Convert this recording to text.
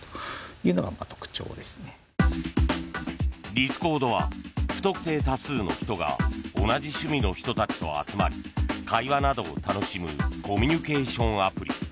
ディスコードは不特定多数の人が同じ趣味の人たちと集まり会話などを楽しむコミュニケーションアプリ。